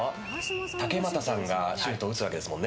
竹俣さんがシュートを打つわけですもんね。